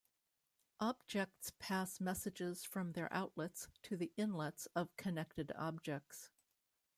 Objects pass messages from their outlets to the inlets of connected objects.